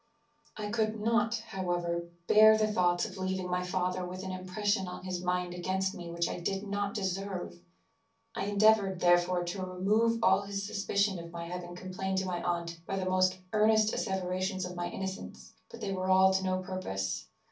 "I could not, however, bear the thoughts of leaving my father with an impression on his mind against me which I did not deserve. I endeavoured, therefore, to remove all his suspicion of my having complained to my aunt by the most earnest asseverations of my innocence; but they were all to no purpose.